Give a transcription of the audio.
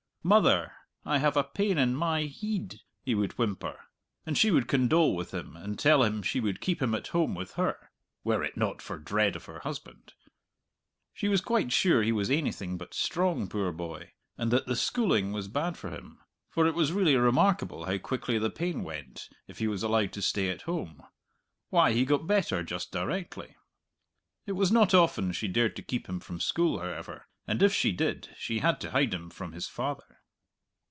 "Mother, I have a pain in my heid," he would whimper, and she would condole with him and tell him she would keep him at home with her were it not for dread of her husband. She was quite sure he was ainything but strong, poor boy, and that the schooling was bad for him; for it was really remarkable how quickly the pain went if he was allowed to stay at home; why, he got better just directly! It was not often she dared to keep him from school, however; and if she did, she had to hide him from his father.